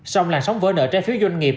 xong làn sóng vỡ nợ trái phiếu doanh nghiệp